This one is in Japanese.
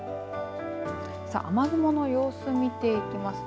雨雲の様子見ていきます。